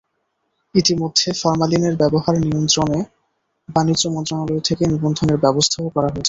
ইতিমধ্যে ফরমালিনের ব্যবহার নিয়ন্ত্রণে বাণিজ্য মন্ত্রণালয় থেকে নিবন্ধনের ব্যবস্থাও করা হয়েছে।